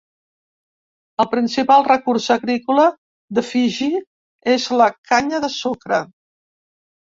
El principal recurs agrícola de Fiji és la canya de sucre.